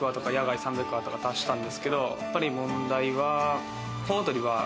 やっぱり問題は。